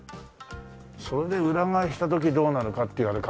それで裏返した時どうなるかっていうあれか。